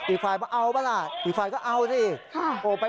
อีกฝ่ายว่าเอาป่ะล่ะอีกฝ่ายก็เอาสิ